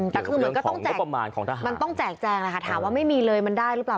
แต่คือเหมือนก็ต้องแจกแจงนะคะถามว่าไม่มีเลยมันได้หรือเปล่า